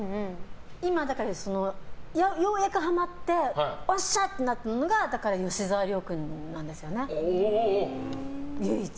今、ようやくハマってよっしゃってなってるのが吉沢亮君なんですよね。